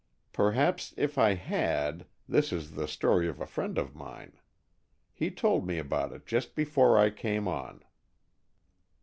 Perhaps if I had, this is the story of a friend of mine. He told me about it just before I came on."